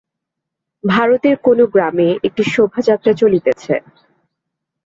ভারতের কোন গ্রামে একটি শোভাযাত্রা চলিতেছে।